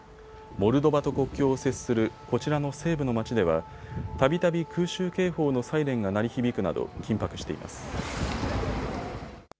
モルドバと国境を接するこちらの西部の町ではたびたび空襲警報のサイレンが鳴り響くなど緊迫しています。